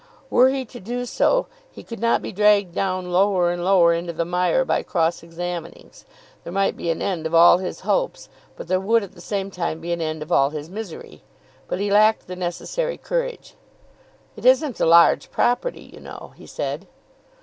Were he to do so he could not be dragged down lower and lower into the mire by cross examinings. There might be an end of all his hopes, but there would at the same time be an end of all his misery. But he lacked the necessary courage. "It isn't a large property, you know," he said.